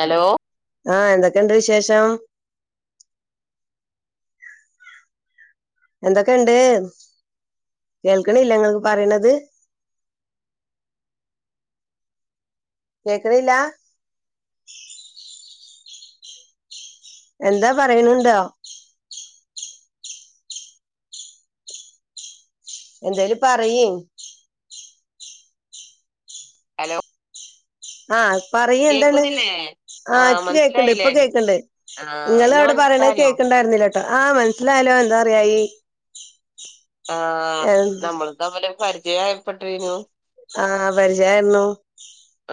Hello ആഹ് എന്തൊക്കെണ്ട് വിശേഷം എന്തൊക്കെണ്ട് കേൾക്ണില്ലെ നിങ്ങക്ക് പറേണത് കേക്കണില്ലാ എന്താ പറയണ് ണ്ടോ എന്തേലും പറയിൻ ഹലോ ആഹ് പറയ് എന്താണ്ന്ന് കേക്കുന്നില്ലേ ആഹ് ഇക്ക് കേക്ക്ണ്ട് ഇപ്പ കേക്ക്ണ്ട് ആഹ് ഇങ്ങള് ഇന്നെ അവിടെ പറിണഹ് മനസ്സിലായോ കേക്ക്ണ്ടാര്ന്നിലാ ആഹ് മനസ്സിലായല്ലോ എന്താ അറിയായി ആഹ് നമ്മളിതമ്മില് ഒര് പരിചയയപ്പെട്ടീനു ആഹ് ആഹ് പരിചയായ്ണ്ണു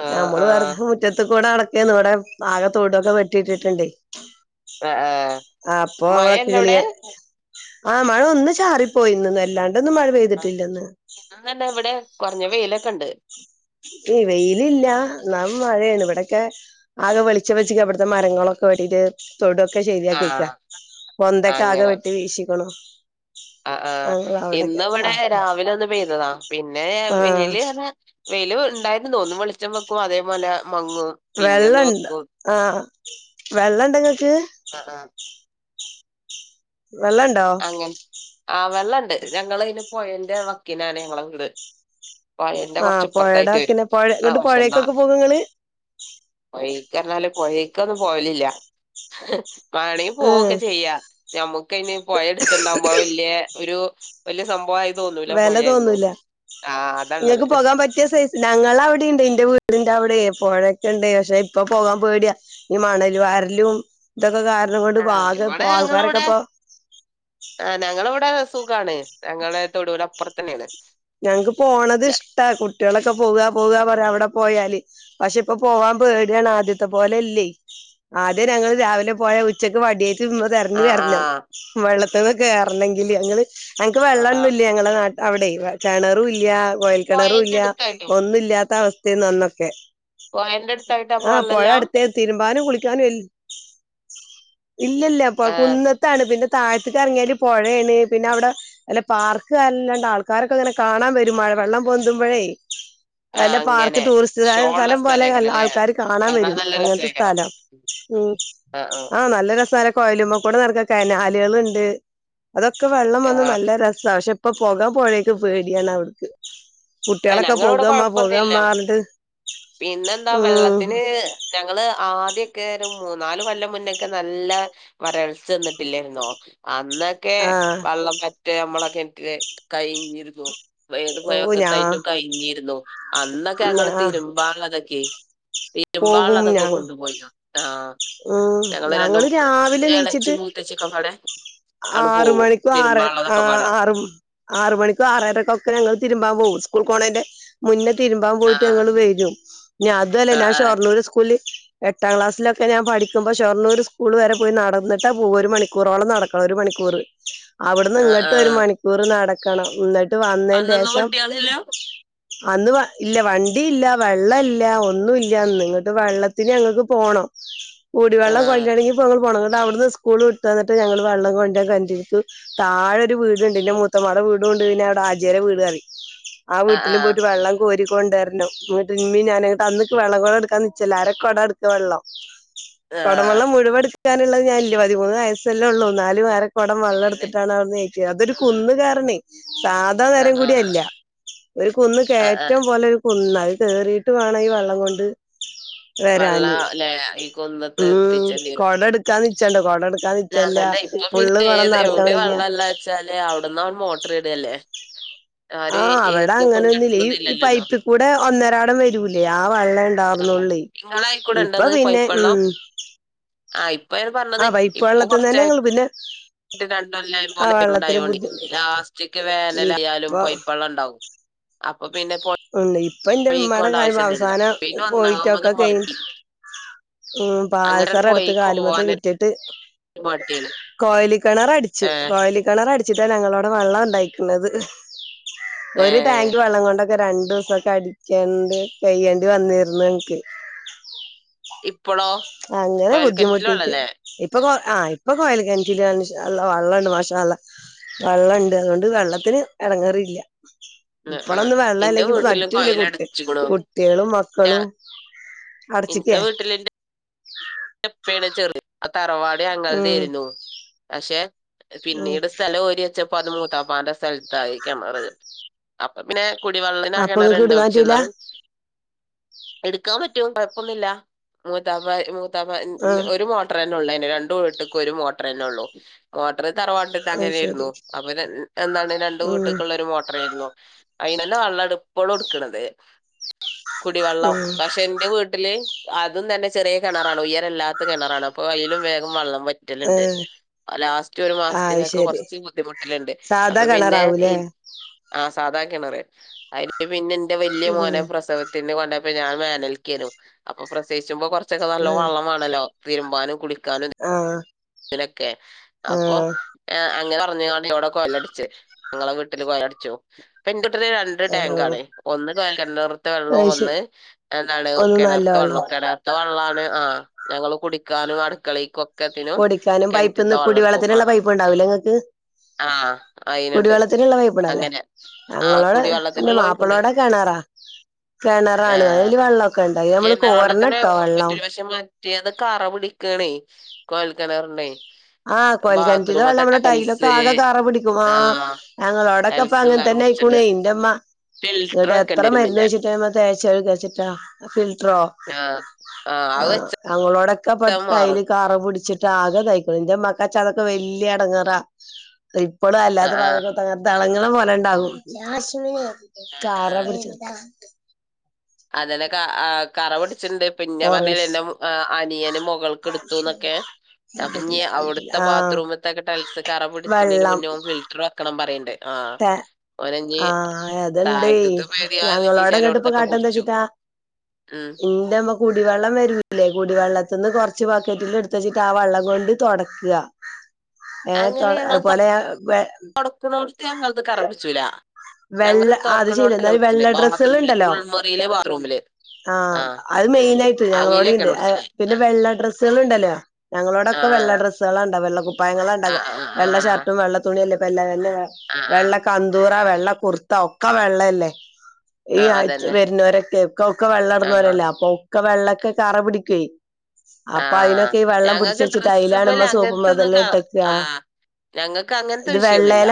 ആഹ് ഞമ്മള് വെറ്തെ ആഹ് മുറ്റത്ത് കൂടെ നടക്കേയ്ന്നു ഇവടെ ആകെ തൊടുഒക്കെ വെട്ടിട്ട്ട്ട്ണ്ട് ആഹ് അപ്പൊ ങ്ങ് മഴയുണ്ടോ കിളിയ അവിടെ ഇന്നന്നെ ഇവിടെ ആഹ് മഴ ഒന്ന് ചാറിപ്പോയിന്ന്ന്ന് അല്ലാണ്ടൊന്നും മഴ പെയ് ആഹ് ഇന്നും തന്നെ ഇവ്ടെ കൊർഞ്ഞ വെയ്ലൊക്കെണ്ട് [unintelligible] വെയ്ലില്ല ന്നാലും മഴയാണ് ഇവടൊക്കെ ആകെവെളിച്ചം വെച്ച്ക്ക ഇവട്ത്തെ മരങ്ങളൊക്കെ വെട്ടീറ്റ് തൊടൊക്കെ ശെരി ആക്ക്യേക്കാ ആഹ് പൊന്തൊക്കെ ആകെ അങ്ങനെ വെട്ടി വീശിക്ണു ആഹ് ആഹ് ഇന്ന് ഇവടെ രാവിലെ ഒന്ന് പെയ്തതാ പിന്നെ ആ വെ വെയ്ല് അർഞ്ഞാ വെയ്ല് ഇണ്ടായിര്ന്ന് ന്ന് ഒന്ന് വെളിച്ചം വെക്കും അതേപോലെ മങ്ങും പിന്നെ ഒന്ന് വെള്ളണ്ട് വെക്കും ആഹ് വെള്ളണ്ട ങ്ങക്ക് അഹ് ആഹ് വെള്ളൺ അങ്ങെൻ ആഹ് വെള്ളണ്ട് ഞങ്ങള് അയ്ന് പൊഴന്റെ വക്കിനാണ് ഞങ്ങളെ വീട് പോഴന്റെ ആ കൊറച്ച് ഇപ്പർത്തായിട്ട് വെരും പൊഴടക്കിനെ പൊഴ ആഹ് ഇങ്ങട്ട് പക്ഷെ ന്നാ പൊഴേക്കൊക്കെ പോകും ഇങ്ങള് പോഴീക്ക് അർഞ്ഞാല് പോഴീക്കൊന്നും പോവലില്ല വാണെങ്ങി ഉം പോവൊക്കെ ചെയ്യാ ഞമ്മക്കയ്ന് പൊഴ അട്ത്ത്ണ്ടാവുമ്പൊ അഹ് വെല്ല്യേ ഒരു വല്യ സംഭവാമായി തോന്നൂല വെല പൊഴെന്നും തോന്നൂല ആഹ് അതാള്ളത് ക്ക്യേ സൈസ് ഞങ്ങളെ അവ്ടിം ഇണ്ട് ഇന്റെ വീടിന്റെ അവ്ടേയ് പൊഴൊക്കെണ്ട് പക്ഷെ ഇപ്പ പോകാം പേട്യ ഈ മണല് വാരലും ഇതൊക്കെ കാരണം കൊണ്ട് ആഹ് പ്പൊആകെ ഇപ്പോ ഇവിടെ ആൾക്കാരൊക്കെ ഞങ്ങളിവിടെ ഇപ്പൊ ആഹ് ഞങ്ങളെ ഇവ്ടെ സുഖാണ് ഞങ്ങളെ തൊടൂല് അപ്പർത്തന്നേണ് ഞങ്ങക്ക് പോണത് ഇഷ്ട കുട്ട്യാളൊക്കെ പോവ പോവ പറിം അവടെ പോയാല് പക്ഷെ ഇപ്പ പോകാം പേടിയാണ് ആദ്യത്തെ പോലെലെല്ലെയ് ആദ്യം ഞങ്ങള് രാവിലെ പോയ ഉച്ചയ്ക്ക് വടിയേട്ട് മ്മ തെരഞ് ആഹ് വെർണം ആഹ് വെള്ളത്തിന്ന് ക്കേറണെങ്കില് അങ്ങള് ഞങ്ങക്ക് ആഹ് വെള്ളം ആഹ് ഒന്നുല്ലേ ഞങ്ങളെ നാ അവടെയ് കെണറുല്ല്യ കൊഴൽ പൊഴേന്റെ കെണറുല്ല്യ അടുത്തായിട്ടോ ഒന്നുഇല്ല്യാത്ത അവസ്ഥേയ്ന്ന് അന്നൊക്കെ പൊഴേന്റെ അടുത്തായിട്ട് അപ്പൊ ആഹ് പൊഴ വെള്ളല്ല അട്ത്തെ തിര്മ്പാനും കുളിക്കാനുംഎൽ ഇല്ലല്ല അപ്പ ആഹ് കുന്ന ത്താണ് പിന്നെ താഴത്ത്ക്കെർങ്യാല് പൊഴേണ് പിന്നെ അവിടെ അല്ല പാർക്ക് അർഞ്ഞ്ങ്ങാണ്ട് ആൾക്കാരൊ ക്കെ ഇങ്ങനെ കാണാൻ വെരും മഴ വെള്ളം പൊന്തുമ്പഴേ ആഹ് അല്ല പാർക്ക് അങ്ങനെ ടൂറിസ്റ്റ് ഷോ സലം ഉള്ള സ്ഥലം പോലെ സ്ഥലേക്കാരം നല്ല അല്ലേ ആൾക്കാര് കാണാൻ വെരും നല്ല അങ്ങൻത്തെ രസേക്കാരം സ്ഥലാ ഉം ആഹ് നല്ല രസാനെ കൊയല്മ്മക്കൂടെ നടക്കാൻ കനാലേള്ണ്ട് അതൊക്കെ വെള്ളം വന്ന് ആഹ് നല്ല ര സാ പക്ഷെ ഇപ്പൊ പൊകാം പൊഴേക്ക് പേടിയാണ് അവ്ട്ക്ക് ഏഹ് കുട്ട്യാളൊക്കെ ഞങ്ങളിവിടെ പോകാമ്മാ കൊഴപ്പൊന്നുമില്ല. പോകാമ്മാ അർഞ്ഞ്ട്ട് പിന്നെന്താ വെള്ളത്തിന് ഞങ്ങള് ആദ്യൊക്കെ ഒരു മൂന്നാല് കൊല്ലം മുന്നൊക്കെ നല്ല വരൾച്ച എന്ന്ട്ടില്ലേര്ന്നോ അന്നൊക്കെ ആ വെള്ളം പറ്റെ അമ്മളെ കെൻറ്റ്ല് കഴിഞ്ഞിരുന്നു വ് ഏത് ഓ ഞാ പൊഴവക്കത്തായിട്ടും കഴിഞ്ഞിരുന്നു അന്നൊക്കെ ഞാ അങ്ങള് തിര്മ്പാള്ളതെക്കെയ് പോകും ഞ തിര്മ്പാള്ളതൊക്കെ കൊണ്ടുപോയിനു ആഹ് ഉം ഞങ്ങള് രണ്ടും രാവിലെ നീച്ചിട്ട് ഏളച്ചി മൂത്തച്ചൊക്കെപാടെ ആറ് മണിക്കും ആറ് ആ ആറ് ആറ് മണിക്കും ആറരക്കൊക്ക ഞങ്ങള് തിരുമ്പാൻ പോവും സ്കൂൾ പോണേന്റെ മുന്നേ തിരുമ്പാൻ പോയിട്ട് ആഹ് ഞങ്ങള് വരും ഇഞ്ഞി അതും അല്ല ആഹ് ഞാൻ ആഹ് ഷൊർണ്ണൂർ സ്കൂളില് എട്ടാം ക്ലാസിലൊക്കെ ഞാൻ പഠിക്കുമ്പോൾ ഷൊർണ്ണൂര് സ്കൂൾ വരെ പോയി നടന്നിട്ടാ പോവാ ഒരു മണിക്കൂറോളം നടക്ക ഒരു മണിക്കൂറ് അവിടുന്ന് ആഹ് ഇങ്ങട്ടും ഒരു ആഹ് മണിക്കൂറ് നടക്കണം എന്നി ട്ട് അന്നൊന്നും വന്നേന്റേഷം കുട്ട്യാളില്ല അന്ന് വ ഇല്ല വണ്ടി ഇല്ല വെള്ളം ഇല്ല ഒന്നുല്ല അന്ന് എന്നിട്ട് വെള്ളത്തിന് ഞങ്ങൾക്ക് പോണം കുടിവെള്ളം കൊണ്ട് ആഹ് വരണെങ്കി ഇപ്പോ ഞങ്ങള് പോണം ഇന്നിട്ട് അവിടുന്ന് സ്കൂള് വിട്ട് വന്നിട്ട് ഞങ്ങള് വെള്ളം കൊണ്ട കണ്ടിരിക്കു താഴെരു വീടുണ്ട് പിന്നെ മൂത്തുമമാടെ വീടുണ്ട് പിന്നെ അവിടെ ഹാജിയാരുടെ വീട് അറിം ആ ആഹ് വീട്ടിലും ആഹ് പോയിട്ട് വെള്ളം കോരി കൊണ്ട് വരണം ഇന്നിട്ട് ഇമ്മ ഞാനും അന്ന്ക്ക് വെള്ള കൊടം എടുക്കാൻ നിച്ചല്ല അരക്കൊട എടുക്ക വെള്ളം ആഹ് കുടംവെള്ളം മുഴുവെടുക്കാനുള്ളത് ഞാനില്ല പതിമൂന്ന് വയസ്സല്ലേ ഉള്ളൂ നാലു വര കുടം അതന്നെ. വള്ളെടുത്തിട്ടാണ് അവിടുന്നു ഏറ്റാ അതൊരു ആ കുന്നുകയറണേ സ [unintelligible] ആ നേരം ആ കൂടി അതില്ല ഒരു കുന്ന് ആ ആ. കയറ്റം പോലെ കുന്നാ അത് കേറീട്ട് വേണം ഈ വെള്ളം കൊണ്ട് വരാന് വെള്ളം ല്ലേ ഈ കുന്നത്ത് ഉം എത്തിച്ചേണ്ടി വരും. കൊട എടുക്കാൻ നിച്ചണ്ടോ കൊട എടുക്കാൻ നിച്ചല്ല ഇപ്പം ഫുള്ള് പിന്നെ കൊടം ഏത് നറക്കാൻ എവിടെ വയ്യ വെള്ളള്ളെ വെച്ചാല് അവിടന്ന് അൺ മോട്ടർ ഇടല്ലേ ആര് ആഹ് അവിടെ ഏറ്റ അങ്ങനെ ഒന്നുല്ല ഈ ഈ കൊണ്ടെടുക്കണന്നില്ലല്ലോ പൈപ്പിൽ കൂടെ ഒന്നരാടം വരൂലേ ആ വെള്ളം ആ ണ്ടാർന്നൊള്ളേ ഇപ്പൊ പിന്നെ ഉം ആഹ് ഇപ്പയ്ന് ആ പറഞ്ഞത് പൈപ്പ് ഇപ്പൊ വെള്ളത്തിൽ തന്നെ കൊറച്ചായി ഞങ്ങള് പിന്നെ ആ രണ്ടല്ലം വെള്ളത്തിന് ബുദ്ധി [unintelligible] ലാസ്റ്റിക് വേനലായാലും ഇപ്പൊ പയ്പ്പള്ളം ഇണ്ടാവും അപ്പോ പിന്നെ ഉണ്ട് ഇപ്പൊ എന്റെ ഉമ്മാടെ പോയിക്കൊണ്ട് കാ [unintelligible] ആവശ്യമൊന്നുമില്ല അവസാനം പിന്നെ ഒന്നാമത് പോയിട്ടൊക്കെ കഴിഞ്ഞ് മടി ഉം അങ്ങനെയാണ് പോയി പാദസരടുത്ത് കാലുമ്മത്തെ പോവാനൊരു വിറ്റ് ട്ട് മടിയാണ് കൊഴലിക്കിണറടിച്ചു ഏ കൊഴലിക്കിണർട ടിച്ചിട്ടാണ് ഞങ്ങളവിടെ വെള്ളം ഉണ്ടായിക്കണത് ഒരു ഏ ടാങ്ക് വെള്ളം കൊണ്ടൊ ക്കെ രണ്ടു ദിവസൊക്കെ അടിക്കണ്ട് കഴ്യേണ്ടി വന്നിരുന്നു ഞങ്ങക്ക് ഇപ്പളോ അങ്ങനെ കൊഴൽക്കിണറ്റിലെ ബുദ്ധിമുട്ടിട്ട് വെള്ളല്ലേ ഇപ്പൊ ആ ഇപ്പൊ കൊഴലി കിണറ്റില് വെള്ളണ്ട് മാഷാ അല്ലാഹ് വെള്ളണ്ട് അതുകൊണ്ട് വെള്ളത്തിന് എടങ്ങേറില്ല ആ ആ ഇപ്പളൊന്നും വെള്ളം ഇന്റെ ഇല്ലെങ്കി വീട്ടിലും പറ്റൂല്ല കുട്ടി കൊയലടച്ചിക്ക്ണു കുട്ടികളും ഞാ മക്കളും ഇന്റെ അടച്ചിക്കേ വീട്ടിലിന്റെ ന്റെ ഇപ്പേണ് ചെർ ആ തറവാട് ഞങ്ങളുടെ ഉം ആയിരുന്നു പക്ഷെ ഉം പിന്നീട് സ്ഥലം ഓരി വെച്ചപ്പം മൂത്തപ്പാന്റെ സ്ഥലത്തായി കെണറ് അപ്പൊ പിന്നെ കുടിവെള്ളനാ അപ്പൊ ഇങ്ങക്ക് കിണറുണ്ട് എടുക്കാൻ പക്ഷെ പറ്റൂല എന്നാലും എടുക്കാൻ പറ്റും കൊഴപ്പൊന്നില്ല മൂത്താപ്പാ മൂത്താപ്പാ ആ ഒരു മോ മോട്ടർനെ ഉള്ളു രണ്ടു വീട്ട്ക്കും ഒരു മോട്ടർന്നെ ഉള്ളൂ മോട്ടർ തറവാട്ട്ക്ക് അത് അങ്ങനായിരുന്നു ശരി അപ്പൊ എന്താണ് രണ്ടു ഉം വീട്ടിക്കുള്ള ഒരു മോട്ടർ ആയിരുന്നു അയിന് തന്നെ വെള്ളം ഇട് ഇപ്പളും എടുക്കണത് കുടിവെള്ളം ഉം പക്ഷെ എന്റെ വീട്ട ട്ടില് അതും തന്നെ ചെറിയ കിണറാണ് ഉയരല്ലാത്ത കിണറാണ് അപ്പൊ അയ്ലും വേഗം വെള്ളം വറ്റ് ഏ വറ്റല്ണ്ട് ലാസ്റ്റ് ഒരു അത് മാസത്തിനൊക്കെ ശരി കുറച്ച് ബുദ്ധിമുട്ടലുണ്ട് സാധാ അപ്പൊ പിന്നെ കിണറാവൂലേ ആഹ് സാദാ കിണറ് അതിന് പിന്നെ എന്റെ വലിയ ഉം മോന പ്രസവ കൊണ്ടപ്പോ ഞാൻ വേനൽക്കും അപ്പൊ പ്രസവിച്ചുമ്പോ കുറച്ച് നല്ല ഉം വെള്ളമാണല്ലോ തിരുമ്പാനും കുടിക്കാനും ആഹ് ഇതിനൊക്കെ അപ്പൊ അങ്ങനെ പറഞ്ഞാവിടെ കൊലടിച്ച് ഇങ്ങളെ വീട്ടില് കൊഴലടിച്ചു പെൺകുട്ടികള് ര ടാങ്ക് ആണ് ഒന്ന് കുഴൽകിണറത്ത് അത് വെള്ളവും ശരി ഒന്ന് എന്താണ് ഒന്നും നല്ല കിണറത്ത വെള്ളോ വെള്ളവും ത്ത വെള്ളാണ് ആഹ് ഞങ്ങള് കുടിക്കാനും അടുക്കളെക്കൊക്കത്തിനും ചാനും പൈപ്പ്ന്ന് കുടി വെള്ളത്തിനുള്ള പൈപ്പ് ഇണ്ടാവില്ലേ നിങ്ങക്ക് ആഹ് അയിനുണ്ട് കുടിവെള്ളത്തിനുള്ള പൈപ്പിണ്ടാവില്ലേ അങ്ങനെ ആഹ് ഞങ്ങളോടെ എന്റെ കുടിവെള്ളത്തിനുള്ള മാപ്പ പൈപ്പുണ്ട് അപ്പളവിടെ കിണറാ ആഹ് കിണറാണ് അയ്ല് വെള്ളൊക്കെ ഇണ്ടാവ നമ്മള് കിണർ വെള്ളത്തിന് കോരനോട്ടോ വെള്ളം മറ്റൊരു പക്ഷെ മറ്റേത് കറ പിടിക്കണേ കോൽക്കിണറിന് ആഹ് കോൽക്കെണറ്റിലെ വെള്ളം നമ്മള ടൈയിലൊക്കെ ആകെ കറ പിടിക്ക ആഹ് ഞങ്ങളോടൊക്കെ അപ്പ ടൈൽസ് കറ അങ്ങൻതന്നെ പിടിച്ചിണ്ട് ആയിക്കുണേ എന്റുമ്മ ഫിൽട്ടർ എന്നിട്ട് വെക്കേണ്ടി എത്ര വരും മരുന്ന് പിന്നെ തേച്ചിട്ടാ അത് തേച്ച തേച്ചിട്ടാ ഫിൽട്ടറോ ആഹ് ആഹ് ആവ വെ അങ്ങളോടൊക്കെ പെട്ട ടൈല് കറ പിടിച്ചിട്ട് ആകെ തായ്ക്കു എന്റെ മക്കാച്ച അതൊക്കെ വലിയ എടങ്ങേറാ ഇപ്പോളും അല്ലാത്ത ആഹ് ഭാഗങ്ങ തെളങ്ങളും പോലെ ഇണ്ടാകും കാറ ആഹ് പിടിച്ച് അതന്നെ കറ പിടിച്ച്ണ്ട് പിന്ന പറഞ്ഞല് ഓറഞ്ച് എന്ന അനിയന് മുകൾക്കെ എടുത്തുന്നൊക്കെ അപ്പൊഞ്ഞി കണ്ടിട്ടില്ല കണ്ടിട്ടില്ല അവിടുത്തെ ആഹ് ബാത്റൂമത്തെക്കെ ടൈൽസ് കറ പിടിച്ചിന് മുന്നേ ഫിൽറ്റർ വെക്കണം പറയ്ണ്ട് ആ അതൊണ്ടേ താഴത്തത്തെ പെരിയാന്ന് ഇനി ഞങ്ങളോടങ്ങട്ട് ഇപ്പ ചിലയിടത്തൊക്കെ കാട്ട പിടിച്ചു ച്ചിട്ടാ ഉം ഇന്റമ്മ കുടിവെള്ളം വരൂല്ലേ കുടിവെള്ളത്തിന്ന് കുറച്ച് ബക്കറ്റിൽ എടുത്ത് വച്ചിട്ട് ആ വെള്ളം കൊണ്ട് തൊടക്ക്ക ഏഹ് തൊ പോലെ ക്കണൊടുത്ത് ഞങ്ങത് കറപിടിച്ചൂല ഞങ്ങള് വെള്ള അത് ശീല തൊറക്കണോടല്ല എന്നാലും വിളിച്ചിണേ വെള്ള ബാത്റൂമില് കുൾമുറിയിലെ ബാത്റൂമില് ആ ആഹ് അത് മെയിനായിട്ട് ഞങ്ങളോടെ ഇണ്ട് അവിയിലൊക്കെയാണ് പിടിച്ചത് പിന്നെ വെള്ള ഡ്രസ്സുകൾ ഇണ്ടല്ലോ ഞങ്ങളോടൊക്കെ വെള്ള ആഹ് ഡ്രസ്സ് സ്കളാണ്ടാവ വെള്ള കുപ്പായങ്ങളാ ആ ഇണ്ടാവ ആ ആ വെള്ള ഷർട്ടും വെള്ള തുണിയല്ല ഇപ്പൊ എല്ലാം ആ വെള്ള ആ കന്തൂറ വെള്ള കുർത്ത ഒക്കെ വെള്ളല്ലേ ഈ ആ [unintelligible] ആൺ അതന്നെ വരുന്നവരൊക്കെ ഒക്ക ഒക്കെ ആ വെള്ളടന്നവരല്ലേ അപ്പൊ ഒക്കെള്ളൊക്കെ കറ പിടിക്കുവേ ആ അപ്പൊ അയിനൊക്കെ ഈ വെള്ളം പിടിച്ച് ഞങ്ങൾക്ക് വെച്ചിട്ട് ഡ്രസ്സുമേൽ അയ്ലാണമ്മ സോപ്പ് മതെല്ലാം ഇട്ടേക്കാ ഞങ്ങക്ക് അങ്ങൻത്തെ വിഷയൊന്നുല്ല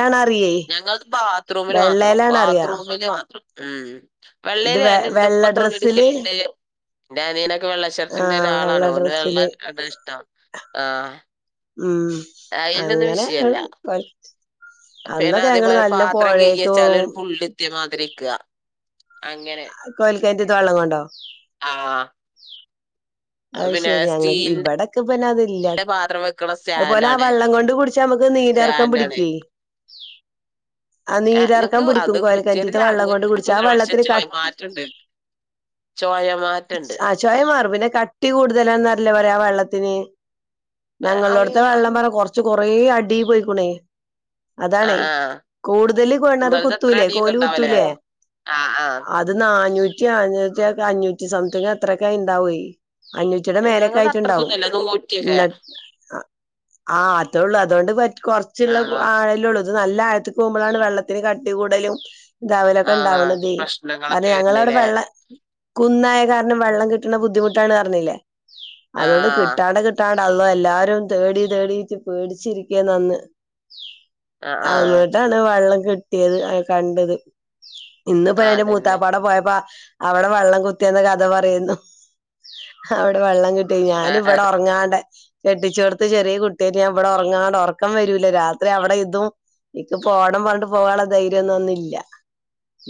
ഞങ്ങക്ക് ബാത്റൂമില് മാത്രം വെള്ളേലാണ് അറിയാ ബാത്റൂമില് മാത്രം ഉം ഇത് വെ വെള്ളേലന്നെ എൻ്റ വെള്ള ഇപ്പ തുണി ഡ്രസ്സില് എടുക്കല്ണ്ട് എൻ്റെ അനിയനൊക്കെ വെള്ളഷർട്ടിന്റെ ആഹ് ഒരാളാണ് വെള്ള ഓ ള്ള ഡ്രസ്സില് അതാ ഇഷ്ടം ആഹ് ഉം അങ്ങനെ വിഷയമല്ല [unintelligible] പിന്നെ അന്നൊക്കെ ഞങ്ങള് നല്ല പുഴേക്ക് പോവും കത്തിയ മാതിരിക്കാ കോൽക്കേറ്റത്തെ വെള്ളം കൊണ്ടോ ആഹ് അയ് ശെരി അങ്ങ് സ്റ്റീലിന്റെ ഇവിടെ ക്കെ പിന്നെ അതില്ല പാത്രം വെക്കണ അതുപോലെ ആ സ്റ്റാൻഡാണ് വെള്ളം കൊണ്ട് കുടിച്ച് നമ്മുക്ക് നീരെറക്കം സ്റ്റാൻഡാണ് പിടിക്കേ ! ! ! ! ! ! ! ആഹ്‌, നിങ്ങക്ക് അത്‌ കൊണ്ട് കുടിച്ചാ ആ വെള്ളത്തിന് [unintelligible] ക പോയി മാറ്റുണ്ട്. ടെസ്റ്റ് മാറ്റണ്ട് ട്ടേസ്റ്റ് മാറും. പിന്നെ, കട്ടികൂടുതലാണ്ന്നല്ല പറയ ആ വെള്ളത്തിന്. ഞങ്ങടെ ആഹ് വീട്ടിലെ വെള്ളം ആഹ് പറ കൊറച്ച് കൊറേ അടിപോയിക്കുണേ. അതാണ കൂടുതല് കിണറ് നിങ്ങളത് അത്ര കുത്തൂലേ? അടിയൊക്കെ ഉണ്ടാവലേ കോല്കുത്തൂലേ? ആഹ്, ആഹ് അത് നാന്നൂറ്റി അഞ്ഞൂറ്റിക്കെ അഞ്ഞൂറ്റി സംതിങ് അത്രൊക്കെ അയിണ്ടാവോയ് അഞ്ഞൂറ്റിയുടെ മേലക്കെ ഞങ്ങൾത് ആയിട്ടുണ്ടാവും. അത്രക്കൊന്നുല്ല നൂറ്റിയൊക്കെ ന്നട്ട്, ആഹ്, അത്രോള്ളൂ. അതോണ്ട് പറ്റ് കൊറച്ചുള്ളഹ് ആഹ് ആഴ ല്ലൊള്ളൂ. അത്, നല്ല, ആഴത്ത്ക്ക് പോകുമ്പളാണ് വെള്ളത്തിന് കട്ടികൂടലും. ഇതവലൊക്കെ ആഹ് ഇണ്ടാവ്ണതേ. കാരണം പ്രശ്നങ്ങളൊക്കെ ഞങ്ങളവിടെ വരുന്നില്ലേ വെള്ള കുന്നായ കാരണം വെള്ളംകിട്ട്ണബുദ്ധിമുട്ടാണ് പറ ഞ്ഞില്ലേ? ആഹ് അതോണ്ട്കിട്ടാതെ കി ഇട്ടാണ്ട അള്ളൊ എല്ലാരും തേടി തേടിട്ട് പേടിച്ചിരിക്കേന്ന് അന്ന് ആഹ് ആഹ് അങ്ങിട്ടാണ് വെള്ളംകിട്ടിയത് അഹ്, കണ്ടത്. ഇന്നിപ്പൊ ആഹ് ഞാൻ ന്റെ അതന്നെ മൂത്താപ്പാടപോയപ്പോ അവടെ വെള്ളംകുത്തിര് ന്ന കഥപറയേന്നു. അവ്ടെ വെള്ളംകിട്ടീനി ഞാന് ആഹ് വടെ ആഹ് ഉറങ്ങാണ്ട കെട്ടിച്ചോട്ത്ത് ചെറിയ കുട്ടിയേറ്റ് ഞാൻ ഇവടെ ഒറങ്ങാണ്ട് ഒറക്കംവരൂല. രാത്രി അവ്ടെ ഇതും ഇക്ക് പോണം പറഞ്ഞിട്ട് പോകാള്ള ധൈര്യൊ ന്നും അന്ന് ല്ല്യ.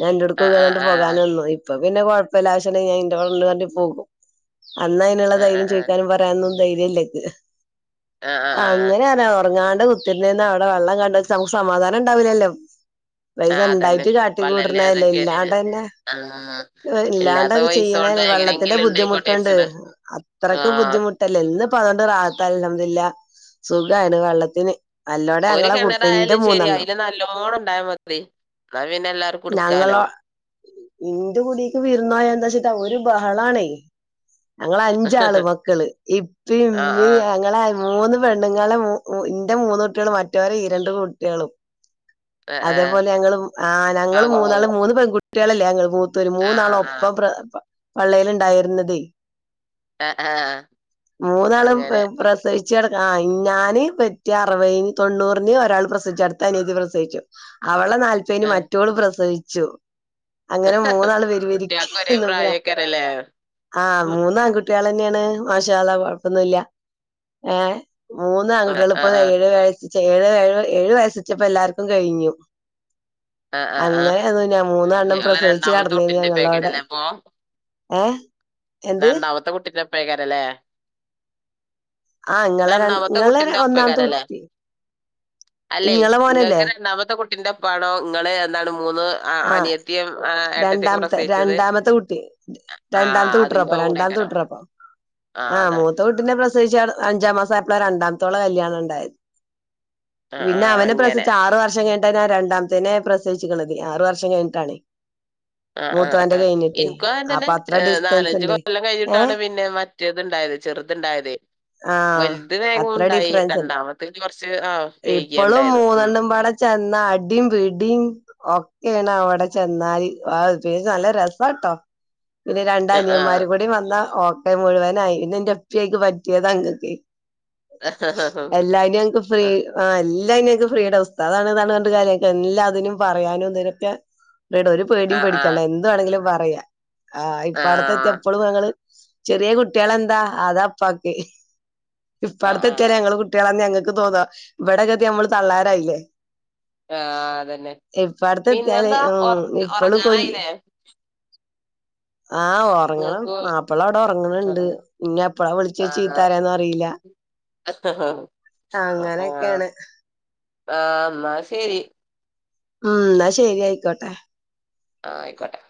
ഞാൻ ന്റെട്ക് പോകാണ് ആഹ് ന്ന് ആഹ് പറഞ് ട്ട് ആഹ് പോകാനൊന്നും ഇപ്പം പിന്നെ കുഴപ്പല്ലാ. ആവിശ്യണ്ടങ്കിൽ ഞാൻ ഇന്റോട ണ്ട് പറഞ്ഞട്ട് പോകും. അന്ന് അയിന്ള്ള ആഹ് ആഹ് ധൈര്യം ആഹ് ചോയ്ക്കാനും പറയാനൊന്നും ധൈര്യല്ല്യ ക്ക്. ആഹ് ആഹ് അങ്ങനെയല്ല ഒറങ്ങാണ്ട ത്തിന്നീന്ന അവിടെ വെള്ളം കണ്ട നമുക്ക് സമാധാനം ഇണ്ടാവൂല ല്ലോ? പൈസ ആഹ് അതന്നെ ഇണ്ടായിട്ട് കാട്ടി കൂട്ട്ണ ല്ല വള്ളല്ലാതൊക്കെ ഇല്ലാണ്ടന്നേ ആഹ് ഇല്ലാത്ത ഇല്ലാണ്ടൊക്കെ പൈസ ചെയ്യ്ണ കൊണ്ട് ല്ലേ? വെള്ളത്തിന്റെ എങ്ങനെങ്കിലും ബുദ്ധി ഉണ്ടായിക്കോട്ടെ ദ്ധിമുട്ണ്ട്. വിചാരിച്ചതാ ആഹ് അത്രക്കെബുദ്ധിമു ട്ടല്ലേ ഇന്ന്പ്പ അതോണ്ട് റാഹതാണ് അൽ ഹംദുലില്ലാ. സുഖാണ് വെള്ളത്തിന്. അല്ലോടെ ഒരു ഞങ്ങളെ കുട്ടിന്റെ കെണറായാലും ശരി, മൂന്നെണ്ണം അയില് നല്ലോണണ്ടായ മതി. ന്ന, പിന്നെ എല്ലാർക്കു എട്ക്കാലോ? ഞങ്ങളോ ഇന്റെ കുടീക്ക് വിര്ന്നോയന്താ ച്ചിട്ടാ ഒരു ബഹളാണേ ഞങ്ങള് അഞ്ചാള് മക്കള് ഇപ്പിം, ആ ആ ഇമ്മിം ആങ്ങളാ മൂന്ന് പെണ്ണ്ങ്ങള് മൂ എന്റെ മൂന്നുട്ട്യള് മറ്റോല ഈരണ്ട് കുട്ട്യളും. ആ ആ അതേ പോലെ ഞങ്ങളും ആഹ്, ഞങ്ങള് ആങ്ങളമാരും മൂന്നാളും മൂന്ന്പെൺകുട്ട്യാള ല്ലേ? ഞങ്ങൾ മൂ ആ ആ തരുമൂന്നാളൊപ്പം പ്ര പള്ളേല് ഇണ്ടായിരുന്നുന്ന തേ ആ ആ മൂന്നാളും അങ്ങനെ പ്രസവി പ്രസവിച്ച കെടക്കണ ആഹ് ഞാൻ പെറ്റ അർവയിൻ തൊണ്ണൂറിന് ഒരാൾ പ്രസിവിച്ചു അടുത്തഅനിയത്തി പ്രസവിച്ചു അവളെനാൽപയിന് മറ്റോള് പ്രസവിച്ചു അങ്ങനെ മൂന്നാള് പെരുപെരിക്ക് കുട്ട്യേക്ക് ഒരേപ്രായേയ്കാരം ല്ലേ ആഹ്, മൂന്നാൺകുട്ട്യേളെന്നേണ്. മാഷാഅള്ളാ കൊഴപ്പൊന്നും ല്ല്യ. ഏഹ് ആ ആ മൂന്നാൺകുട്ട്യേളിപ്പോ ആ ഏഴുവയ ഛെ ഏഴ്, ഏഴ്, ഏഴുവയസി ച്ച പ്പോ, എല്ലാർക്കും കഴിഞ്ഞു. ആ ആ ആ അങ്ങനായിരുന്നു ഞാൻ മൂന്നാണ്ണം ഞങ്ങളെ പ്രസവിച്ചു രണ്ടാമത്തെ കെടന്നീനി കുട്ടിന്റെ ഞങ്ങളോടെ. പേക്കരല്ലേ അപ്പൊ ഏഹ് എന്ത് രണ്ടാമത്തെ കുട്ടിന്റെപ്പേക്കാര ല്ലേ? ആഹ് ഇങ്ങളെ ര രണ്ടാമത്തെ ഇങ്ങളെ കുട്ടിന്റെ ഒപ്പേയ്ക്കാര ഒന്നാമത്തെ ല്ലേ? കുട്ടി അല്ലെ ഇങ്ങളെ ഇങ്ങക്ക് മോനല്ലേ രണ്ടാമത്തെ കുട്ടിന്റെപ്പാണോ ഇങ്ങള് എന്താണ് മൂന്ന് ആഹ്, അനിയത്തിയും ഏട്ടത്തിക്കെ രണ്ടാമത്തെ പ്രസവിച്ചത്. രണ്ടാമത്തെ കുട്ടി ആഹ്, രണ്ടാമത്തെ അ കുട്ടിറപ്പ രണ്ടാമത്തെ യൊവ്ടെയ്ക്കാരം. ആഹ്, അതാണ്. ത്തിന്റെ പ്രസിവിച്ച് കെടഅഞ്ചാം മാസയപ്പ്ളേ രണ്ടമ്ത്തോള കല്യാണണ്ടായത് ആഹ് പിന്നെ ആഹ് അങ്ങനെ അവനെപ്രസിവിച്ച ആറ് വർഷം കഴി ഞ്ഞിട്ട രണ്ടാമ്ത്തേനെ പ്രസവിച്ച്ക്ണത് ആറുവർഷംകഴിഞ്ഞിട്ടാണ് ആഹ് ആഹ് ആഹ് ഇൻക്കും അങ്ങൻതന്നെ അത്ര ഏഹ് ഡിസ്റ്റൻസ് ഉണ്ട് നാലഞ്ച്കൊല്ലം ഏഹ് കഴിഞ്ഞിട്ടാണ്പിന്നെ മ റ്റേത്ഇണ്ടായത് ചെറ്ത്ണ്ടായത് ആഹ് വൽത് അത്ര വേഗോണ്ടായി ഡിഫറൻസ് ഉണ്ട് രണ്ടാമത്തഞ്ഞി കൊറച്ച്ആവേ വെയ്കിയണ്ടായത് ഉം ചെന്നാഅടിംപിടിം ഒക്കെണ് അവടെ ചെന്നാൽ വാ പി നല്ല രസട്ടോ പിന്നെ രണ്ടനിയന്മാർ ആഹ് കൂടി വന്ന ഓക്കെ മുഴുവനായി പിന്നന്റെപ്പിഅയ്ക്ക് പറ്റിയത ങ്ങക്കെ. ആഹ് എല്ലായ്ന ഞക്ക് ഫ്രീ ആ എല്ലാ ഇങ്ങക്ക് ഫ്രീട ഉസ്തദാണ്ന്നർഞ്ഞിട്ട് കാര്യക എല്ലാതിനും പറയാനും തിനൊക്കെ ട ഒരു ആഹ് പേടിയും ആഹ് പേടിക്കണ്ട എന്ത്‌ വേണെങ്കിലും പറയാ ആഹ് ഇ പടത്തെതിയ പ്പളും ഞങ്ങള് ചെറിയ കുട്ടികളെന്താ അതാ പ്പാക്ക് ഇപ്പ ട്ത്തത്തിയാരെ ആഹ് ഞങ്ങള് കു ട്ടിയളന്നെ ഞങ്ങക്ക് തോന്നാ ഇവടെ കതിന മ്മള് തള്ളാമാരായില്ലേ ആഹ് അതന്നെ ഇപ്പാട്ത്തെത്തിയാല് പിന്നെന്താ ഒറ ഇപ്പളും കുൻ ഒറങ്ങാനായില്ലേ ആഹ് ഓ ഒറങ്ങണം ഇങ്ങക്ക് മാപ്പളാ അവ്ടെ ഒർങ്ങണണ്ട് ആഹ് ഇന്നെ എപ്പളാ വിൾച്ച് ആഹ് ചീത്തറിയാന്നറീല്ല. ആഹ് അങ്ങനൊക്കെയാണ് ആഹ് ന്നാ ശരി ഉം ന്നാ ശരി അയിക്കോട്ടെ. ആയിക്കോട്ടെ